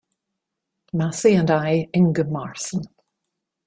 Massey and I. Ingemarsson.